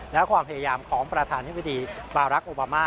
และความพยายามของประธานธิบดีบารักษ์โอบามา